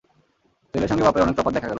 ছেলের সঙ্গে বাপের অনেক তফাত দেখা গেল।